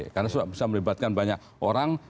karena bisa melibatkan banyak orang